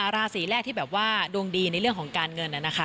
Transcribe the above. ราศีแรกที่แบบว่าดวงดีในเรื่องของการเงินนะคะ